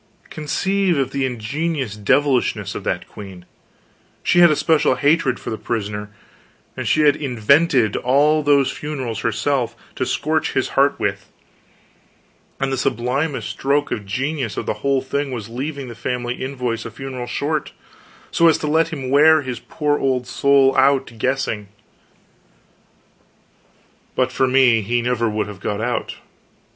Conceive of the ingenious devilishness of that queen: she had a special hatred for this prisoner, and she had invented all those funerals herself, to scorch his heart with; and the sublimest stroke of genius of the whole thing was leaving the family invoice a funeral short, so as to let him wear his poor old soul out guessing. But for me, he never would have got out.